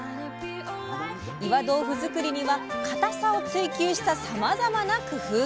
岩豆腐作りには固さを追求したさまざまな工夫が！